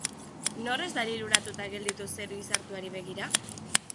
Nor ez da liluratuta gelditu zeru izartuari begira?